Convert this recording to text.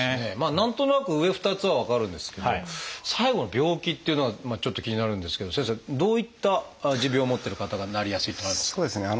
何となく上２つは分かるんですけど最後の「病気」っていうのはちょっと気になるんですけど先生どういった持病を持ってる方がなりやすいっていうのはあるんですか？